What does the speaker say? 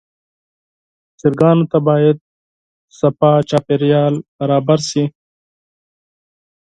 چرګانو ته باید پاک چاپېریال برابر شي.